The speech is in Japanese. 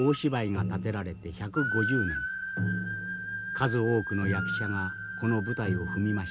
数多くの役者がこの舞台を踏みました。